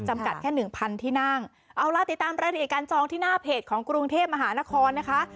แค่หนึ่งพันที่นั่งเอาล่ะติดตามรายละเอียดการจองที่หน้าเพจของกรุงเทพมหานครนะคะ